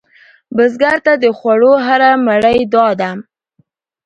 بزګر ته د خوړو هره مړۍ دعا ده